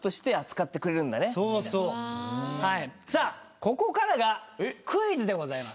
ここからがクイズでございます。